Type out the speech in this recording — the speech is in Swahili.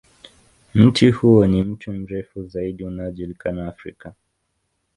Mti huo ni mti mrefu zaidi unaojulikana Afrika.